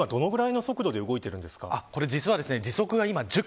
どれぐらいの速度で動いているんですか。